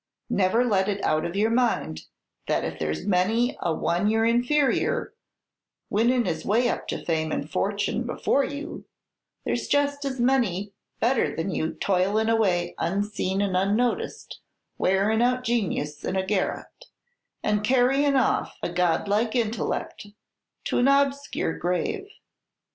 Never let it out of your mind that if there's many a one your inferior, winnin' his way up to fame and fortune before you, there's just as many better than you toilin' away unseen and unnoticed, wearin' out genius in a garret, and carryin' off a Godlike intellect to an obscure grave!"